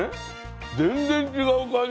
全然違う感じ。